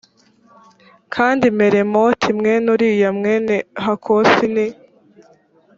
kandi meremoti mwene uriya mwene hakosi ni